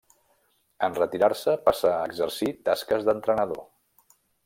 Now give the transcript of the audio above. En retirar-se passà a exercir tasques d'entrenador.